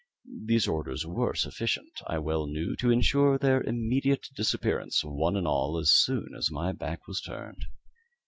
These orders were sufficient, I well knew, to insure their immediate disappearance, one and all, as soon as my back was turned.